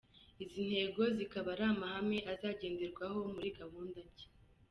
Izi ntego zikaba ari amahame azagenderwaho muri gahunda nshya”.